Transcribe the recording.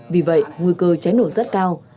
vì vậy nguy cơ cháy nổ rất cao